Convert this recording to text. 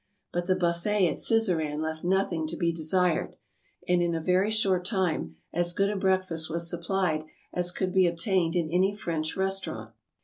But the buffet at Sizeran left nothing to be desired; and, in a very short time, as good a break fast was supplied as could be obtained in any French restaurant.